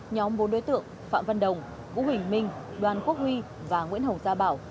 nhóm bốn đối tượng phạm văn đồng vũ huỳnh minh đoàn quốc huy và nguyễn hồng gia bảo